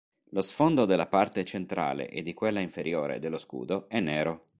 Lo sfondo della parte centrale e di quella inferiore dello scudo è nero.